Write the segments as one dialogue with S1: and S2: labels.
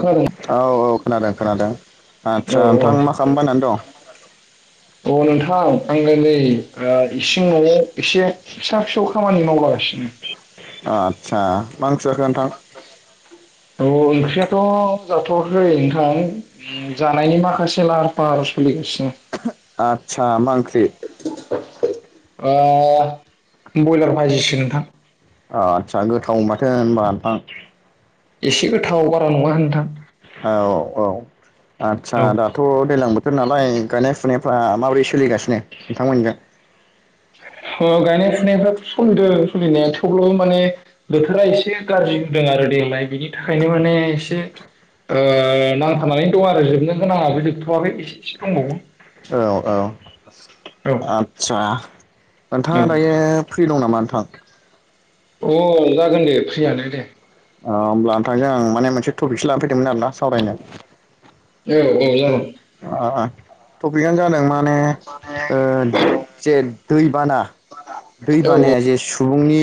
S1: खर' [unintelligible]
S2: औ औ खोनादों खोनादों
S1: औ
S2: आदसा नोंथां मा खालामबायनानै दं।
S1: अ नोंथां आङो नै ओ इसिं न'आव एसे फिसा फिसौ खामानि मावलागासिनो।
S2: आदसा मा ओंख्रि जाखो नोंथां?
S1: औ ओंख्रियाथ' जाथ'आखो नोंथां जानायनि माखासे लाहार फाहार सोलिगासिनो
S2: आतसा मा ओखिरि
S1: ओ बयलार बाजिसो नोंथां
S2: आदसा गोथाव माथो होनबाथ
S1: एसे गोथाव बारा नङा नोंथां।
S2: औ औ आतसा
S1: औ
S2: दा। थ' दैज्लां बोथोर नालाय गायनाय फुनायफ्रा माबोरै सोलिगासिनो नोंथांमोनजों।
S1: अ गायनाय फुनायफ्राथ' सोलिदों सोलिनाया थेवब्लाबो माने। बोथोरा एसे गाज्रि होदों आरो देनाय दोनि थाखायनो माने एसे ओ नांथानानै दं आरो जोबनो गोनाङाबो जो थावखै एसे एसे दंबावो औ
S2: सारा नोंथाङा
S1: औ
S2: दायो फ्रि दं नामा नोंथां
S1: अ जागोन दे फ्रियानो दे
S2: अ होमब्ला नोंथांजों आं मोने टपिकसो लानाफैदोंमोन आरोना सावरायनो
S1: औ औ जागोन
S2: अ अ टपिकआनो जादों माने ओ जे दैबाना
S1: बा [inaudible]
S2: दैबानाया जेसु सुबुंनि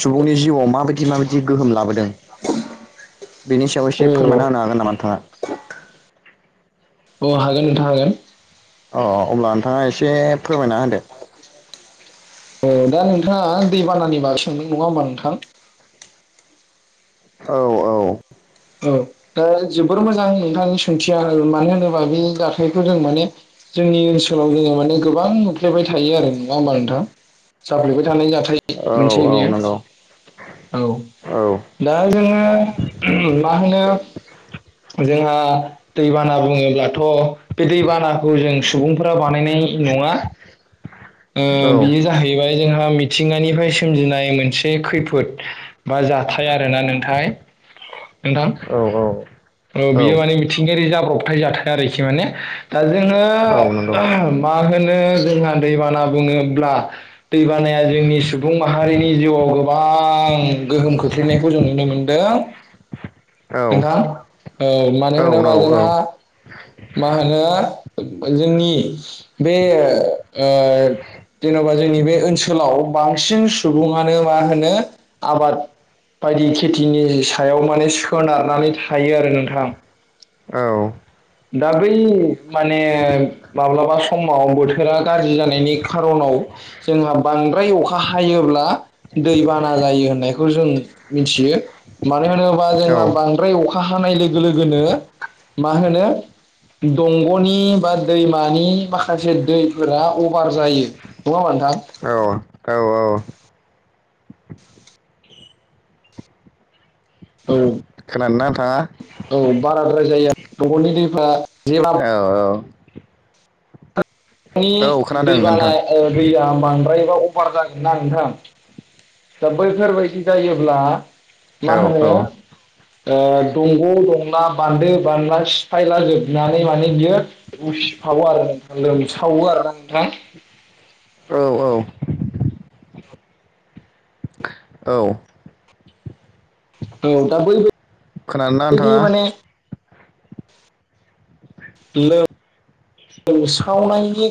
S2: सुबुंनि जिउआव माबायदि माबायदि गोहोम लाबोदों बेनि सायाव
S1: औ
S2: एसे फोरमायना होनो हागोन नामा नोंथाङा
S1: औ हागोन नोंथा हागोन
S2: अ अब्ला नोंथाङा एसे फोरमायना होदो
S1: ओ दा नोंथाङा दैबानानि बागोय सोंदों नङा होनबा नोंथां
S2: औ औ
S1: औ दा जोबोर मोजां नोंथांनि सोंथिया मानो होनोबा बे जाथायखौ जों माने जोंनि ओनसोलाव जोङो माने गोबां नुफ्लेबाय थायो आरो नङा होनबा नोंथां जााफ्लायबाय थानाय जाथाय
S2: औ औ
S1: मोनसे
S2: औ
S1: बियो
S2: नंगौ
S1: औ
S2: औ
S1: दा जोङो मा होनो जोंहा दैबाना बुङोब्लाथ' बे दैबानाखौ जों सुबुंफोरा बानायनाय नङा
S2: औ
S1: बेयो जाहैबाय जोंहा मिथिंगानिफ्राय सोमजिनाय मोनसे खैफोद बा जाथाय आरोना नोंथाय नोंथां
S2: औ औ
S1: औ बियो माने मिथिंगायारि जाब्रबथाय जाथाय आरोखि माने दा जोङो
S2: नंगौ
S1: मा होनो जोंहा दैबाना बुङोब्ला दैबानाया जोंनि सुबुं माहारिनि जिउआव गोबां गोहोम खोख्लैनायखौ जों नुनो मोनदों
S2: [inaudible]
S1: नोंथां ओ मानो
S2: औ औ
S1: होनोबा जोंहा मा होनो जोंनि बे ओ जेन'बा जोंनि बे ओनसोलाव बांसिन सुबुङानो मा होनो आबाद बायदि खेथिनि सायाव माने सोनारनानै थायो आरो नोंथां
S2: औ
S1: दा बै माने माब्लाबा समाव बोथोरा गाज्रि जानायनि खारनाव जोंहा बांद्राय अखा हायोब्ला दै बाना जायो होननायखौ जों मिथियो मानो होनोबा
S2: औ
S1: जोंहा बांद्राय अखा हानाय लोगो लोगोनो मा होनो दंग'नि बा दैमानि माखासे दैफोरा अभार जायो नङा होमबा नोंथां
S2: औ
S1: औ
S2: खोनादों ना नोंथाङा
S1: औ बाराद्राय जाया दंगनि दैफ्रा जेब्ला
S2: औ औ
S1: नि
S2: औ खोनादों
S1: दैबाना
S2: नोंथां
S1: दैया बांद्रायबा अभार जागोन ना नोंथां दा बैफोरबायदि जायोब्ला
S2: औ
S1: मा होनो ओ दंग' दंना बान्दो बानला सिफायला जोबनानै माने बियो उसिफावो आरो नोंथां लोमसावो आरोना नोंथां
S2: औ औ औ
S1: औ दा बै
S2: खोनादों ना
S1: आरोना नोंथां
S2: नोंथाङा
S1: लोमसावनायनि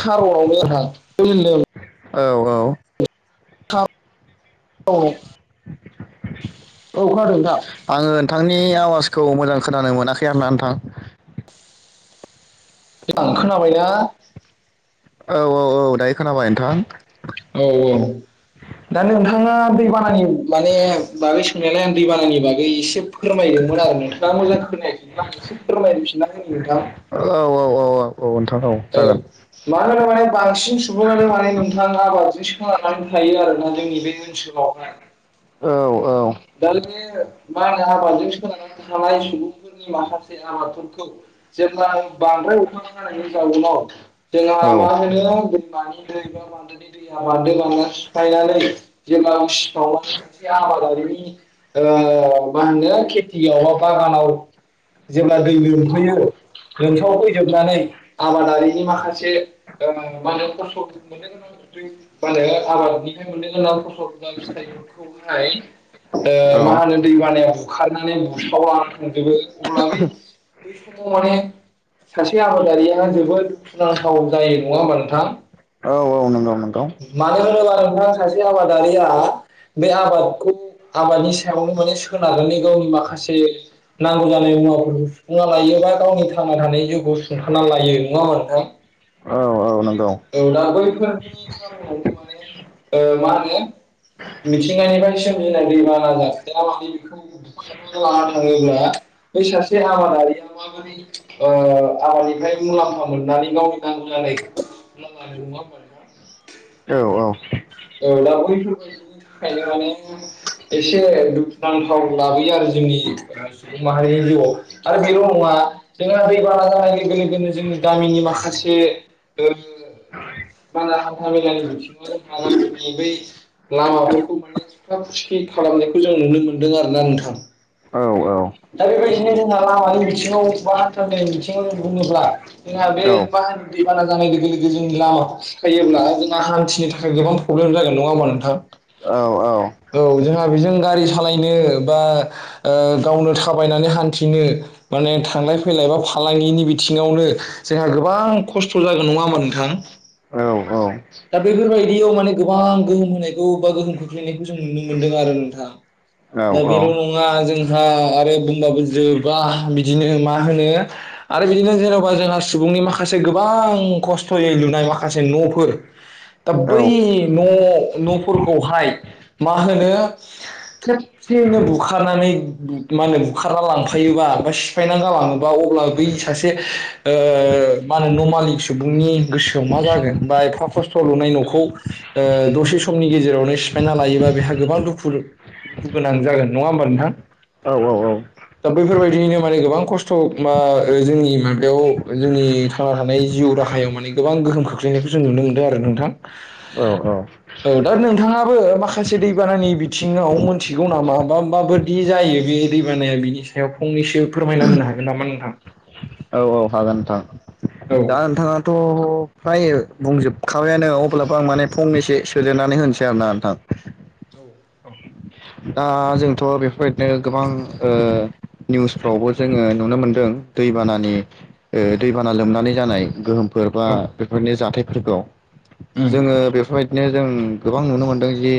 S1: खारनावनो आंहा [unintelligible]
S2: औ औ
S1: थाब औ औ खानादों नोंथां
S2: आङो नोंथांनि आवाजखौ मोजां खोनानो मोनाखै होनना नोंथां
S1: एबार खोनाबायना
S2: औ औ औ दायो खोनाबाय नोंथां
S1: औ औ दा नोंथाङा दैबानानि माने बागै सोंनायालाय आं दैबानानि बागै एसे फोरमायदोंमोन आरो नोंथाङा मोजां खोनायाखैब्ला आं एसे फोरमायफिनना होनोसां
S2: औ औ औ औ औ नोंथां औ
S1: औ
S2: जागोन
S1: माहोनो माने बांसिन सुबुङानो माने नोंथां आबादजों सोनारनानै थायो आरोना जोंनि बे ओनसोलाव आवहाय
S2: औ औ
S1: दाल मे माहोनो आबादजों सोननानै थानाय सुबुंफोर नि माखासे आबादफोरखौ जेब्ला बांद्राय अखा जानायनि जाउनाव जोंहा
S2: औ
S1: मा होनो दैमानि दै बा दैमानि दैया बारदो बना सिफायनानै जों सिफावनानै सासे आबादारिनि ओ मा होनो खेथियाव बा बागानाव जेब्ला दै लोमफैयो लोमसाव फैजोबनानै आबादारिनि माखासे ओ माहोनो खस्थ' मोननो गोनां माहोनो आबादनिफ्राय मोननो गां फसल बा फिथाइफोरखौहाय ओ मा
S2: औ
S1: होनो दै बानाया बुखारनानै बुसावलनानै थांजोबो अब्लाबै बै समाव माने सासे आबादारिया जोबोद दुखुनांथाव जायो नङा होमबा नोंथां
S2: औ औ नंगौ नंगौ
S1: मानो होनोबा नोंथां सासे आबादारिया बे आबादखौ आबादनि सायावनो माने सोनारनानै गावनि माखासे नांगौ जानाय मुवाफोरखौ सुफुंना लायो बा गावनि थांना थानाय जिउखौ सुंथाना लायो नङा होनबा नोंथां
S2: औ औ नोंगौ
S1: औ दा बैफोरनि जाहोनावबो माने ओ मा होनो मिथिंगानिफ्राय सोमजिनाय दैबाना जाथाया माने बेखौ बुखारनाबो लाना थाङोब्ला बै सासे आबादारिया ओ आबादानिफ्राय मुलाम्फा मोननानै गावनि नांगौ जनाय [unintelligible] नङा होनबा नोंथां?
S2: औ औ
S1: एब्ला बैफोरबायदिनि थाखायनो माने एसे दुखुनांथाव लाबोयो आरो जोंनि सुबुं माहारिनि जिउआव। आरो बेल' नङा जोंहा दै बाना जानाय लोगो लोगोनो जोङो गामिनि माखासे ओ बारा हान्था मेलानि [unintelligible] लामाफोरखौ माने खुरखा खुरसि खालामनायखौ जों नुनो मोनदों आरोना नोंथां।
S2: औ
S1: दा बेबायदिनो जोंहा लामानि बिथिङाव बा हान्था मेलानि बिथिङाव बुङोब्ला जोंहा बे
S2: औ
S1: बाहानि दैबाना जानाय लोगो लोगो जोंनि लामाखौ खुरखायोब्ला जोंना हान्थिनि थाखाय गोबां प्रब्लेम जागोन नङा होमबा नोंथां?
S2: औ औ
S1: औ जोंहा बेजों गारि सालायनो बा गावनो थाबायनानै हान्थिनो माने थांलाय फैलाय बा फालांगिनि बिथिङावनो जोंहा गोबां खस्थ' जागोन नङा होमबा नोंथां? दा बेफोरबायदियाव माने गोबां गोहोम होनायखौ बा गोहोम खोख्लैनायखौ जों नुनो मोन्दों आरो नोंथां।
S2: औ
S1: दा
S2: औ
S1: बेल' नङा जोंहा आरो बुंबाबो जोबा बिदिनो मा होनो आरो बिदिनो जेन'बा जोंहा सुबुंनि माखासे गोबां खस्थ'यै लुनाय माखासे न'फोर दा
S2: औ
S1: बै न' न'फोरखौहाय मा होनो [unintelligible] एसेनो बुखारनानै मा होनो बुखारना लांफायोबा बा सिफायना जालाङोबा अब्ला बै सासे ओ मा होनो न' मालिक सुबुंनि गोसोआव मा जागोन बा एफा ख खस्थ' लुनाय न'खौ ओ दसे समनि गेजेरावनो सिफायना लायोबा बेहा गोबां दुखु दुखु गोनां जागोन नङा होमबा नोंथां?
S2: औ औ
S1: दा बैफोरबायदियैनो माने गोबां खस्थ मा ओ जोंनि माबायाव जोंनि थांना थानाय जिउ राहायाव माने गोबां गोहोम खोख्लैनायखौ जों नुनो मोन्दों आरो नोंथां।
S2: औ औ।
S1: औ दा नोंथाङाबो माखासे दैबानानि बिथिङाव मोनथिगौ नामा बा माबाय दि जायो बे दैबानाया बिनि सायाव फंनैसो फोरमायना होनो हागोन नामा नोंथां?
S2: अ हागोन नोंथां
S1: औ
S2: दा नोंथाङा त' फ्राय बुंजोबखाबायानो अब्लाबो आं माने फांनैसो सोदेरनानै होनोसै आरो ना नोंथां।
S1: औ
S2: दा जोंथ' बेफोरबायदिनो गोबां ओ निउसफ्रावबो जोङो नुनो मोनदों। दैबानानि ओ दैबाना लोमनानै जानाय गोहोम फोर बा
S1: औ
S2: बेफोरनि जाथायफोरखौ
S1: उम
S2: जोङो बेफोरबायदि बिदिनो जों गोबां नुनो मोनदों जि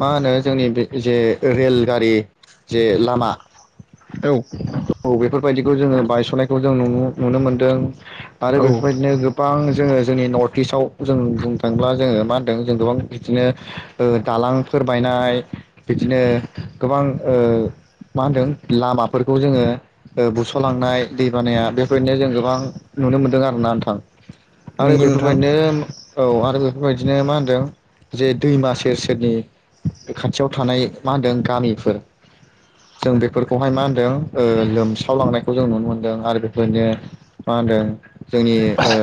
S2: मा होनो जोंनि बे जे रेलगारि जे लामा
S1: औ।
S2: औ बेफोरबायदिखौ जोङो बायस'नायखौ जों नु नुनो मोनदों आरो
S1: औ
S2: बेफोरबायदिनो गोब गोबां जोङो जोंनि नर्थ इस्टव जों बुंनो थाङोब्ला जोङो मा होनदों जों गोबां बिदिनो ओ दालांफोर बायनाय बिदिनो गोबां ओ मा होनदों लामाफोरखौ जोङो ओ बुस'लांनाय दै बानाया बेबायदिनो जों गोबां नुनो मोनदों आरो ना नोंथां। आरो
S1: नंगौ नोंथां
S2: बेफोरबायदिनो औ आरो बेफोरबायदिनो मा होनदों जे दैमा सेर सेरनि खाथियाव थानाय मा होनदों गामिफोर जों बेफोरखौहाय मा होनदों ओ लोमसावलांनायखौ जों नुनो मोनदों आरो बेफोरबायदिनो मा होनदों जोंनि ओ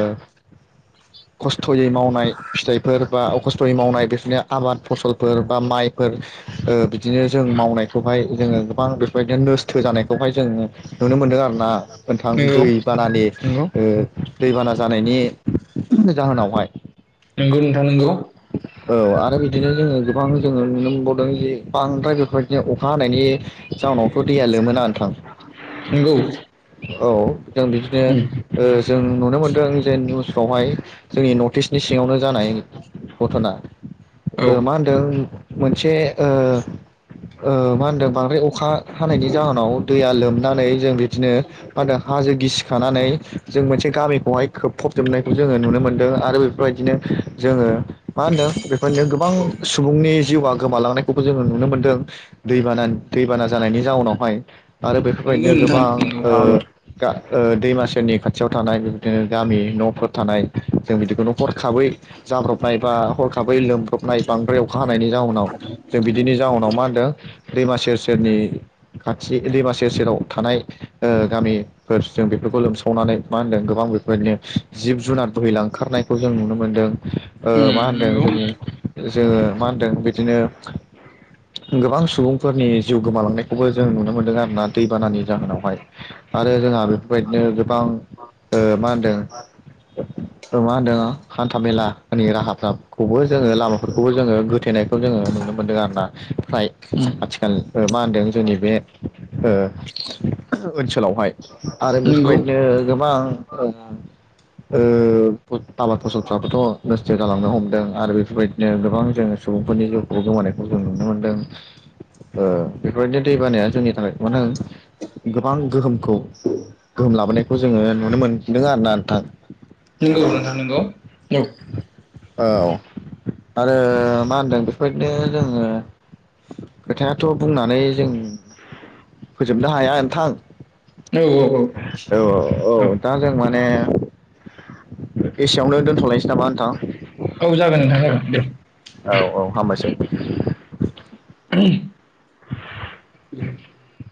S2: खस्थ'यै मावनाय फिथाइफोर बा अखस्थ'यै मावनाय बेफोरनि आबाद फसल फोर बा माइफोर ओ बिदिनो। जों मावनायखौहाय जोङो गोबां बेफोरबायदिनो नस्थो जानायखौहाय जोंङो नुनो मोनदों आरो। ना नोंथां
S1: नंगौ
S2: दै बानानि
S1: नंगौ
S2: ओ। दैबाना जानायनि जाहोनावहाय।
S1: नंगौ नोंथां नोंगौ।
S2: औ आरो बिदिनो जोङो गोबां जोङो नुनो मोनबावदों जि बांद्राय बेफोर अखा। हानायनि। जाउनावथ' दैया लोमोना नोथां
S1: नंगौ उम
S2: औ जों बिदिनो। ओ जों नुनो मोनदों जे निउसफ्रावहाय जोंनि नर्थ इस्टनि सिङावनो जानाय। घथना
S1: औ
S2: ओ मा होनदों मोनसे ओ। ओ मा होनदों बांद्राय अखा हानायनि जाहोनाव दैया लोमनानै जों बिदिनो। हाजो गिसिखानानै जों मोनसे गामिखौहाय खोबफबजोबनायखौ जोङो नुनो मोन्दों आरो बेफोरबायदिनो। जोङो। मा होनदों बेफोरनो गोबां सुबुंनि जिउआ गोमालांनायखौबो जोङो नुनो मोनदों। दैबाना दैबाना जानायनि जाउनावहाय आरो
S1: नंगौ
S2: बेफोरबायदिनो
S1: नोंथां
S2: गोबां ओ।
S1: नंगौ
S2: गा ओ दैमासेनि खाथियाव थानाय बिबदिनो गामि न'फोर थानाय जों बिदिखौनो' हरखाबै। जाब्रबनाय बा हरखाबै लोमब्रबनाय बांद्राय अखा हानायनि जाहनाव। जों बिदिनि जाउनाव मा होनदों दैमा सेर सेरनि। खाथि दैमा सेर सेराव थानाय ओ गामि। जों बेफोरखौ लोमसावनानै मा होनदों गोबां बेफोरबायदिनो जिब जुनार बोहैल लांखारनाय। खौबोजों नुनो मोनदों।
S1: उम
S2: मा होनदों
S1: नंगौ
S2: जोंनि जोङो मा होनदों बिदिनो। गोबां सुबुंफोरनि जिउ गोमालांनायखौबो जों नुनो मोनदों आरो ना दैबानानि जाहोनावहाय। आरो जोंहा बेफोरबायदिनो गोबां मा होनदों। मा होनदों आं हान्था मेला। राहाफोरखौबो जोङो लामाफोरखौबो जोङो होथेनायखौ जोङो नुनो मोनदों आरोना फ्राय।
S1: उम
S2: आथिखाल मा होनदों जोंनि बे ओनसोलावहाय आरो
S1: नंगौ
S2: बेफोरबायदिनो गोबां ओ आबााद फसलफ्राबोथ' नस्थ' जालांनो हमदों आरो बेफोरबायदिनो गोबां जोङ सुबुंफोरनि जिउखौ गोमानायखौ जों नुनो मोनदों। बेफोरबायदिनो दै बानाया जोंनि थाखाय मानो होन गोबां गोहोमखौ। गोहोम लाबोनायखौ जोङो नुनो मोनदों आरोना नोंथां।
S1: नंगौ नोंथां नंगौ। औ
S2: औ। आरो मा होनदों बेफोरदिनो जोङो। खोथायाथ' बुंनानै जों फोजोबनो हाया नोंथां।
S1: औ औ
S2: औ औ। दा जों माने एसेयावनो दोनथ'लायनोसै नामा नोंथां।
S1: औ जागोन नोंथां जागोन दे।
S2: औ औ हामबायसै। [unintelligible]